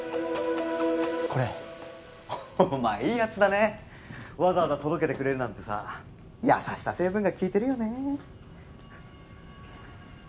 これお前いいやつだねわざわざ届けてくれるなんてさ優しさ成分が効いてるよね